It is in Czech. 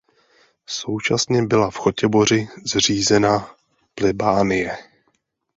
Současně byla v Chotěboři zřízena plebánie.